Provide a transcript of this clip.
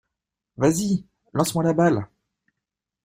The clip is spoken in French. Vas-y! Lance-moi la balle !